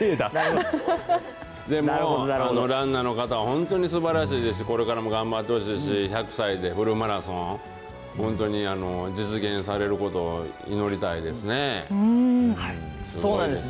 ランナーの方は本当にすばらしいですし、これからも頑張ってほしいですし、１００歳でフルマラソン、本当に実現されることを祈りたいですね。